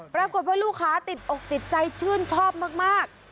ปรากฏว่าลูกค้าติดอกติดใจชื่นชอบมาก